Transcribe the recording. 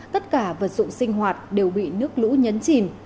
tất cả vật dụng sinh hoạt đều bị nước lũ nhấn chìm